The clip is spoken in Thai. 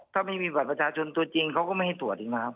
ถ้าไม่มีบัตรประชาชนตัวจริงเขาก็ไม่ให้ตรวจ